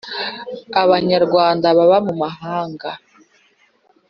abanyarwanda baba mu mahanga a